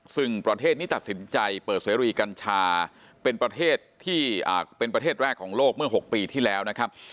ซึ่งประเทศนี้ตัดสินใจเปิดเสรีกัญชาเป็นประเทศที่เป็นประเทศแรกของโลกเมื่อ๖ปีที่แล้วนะครับ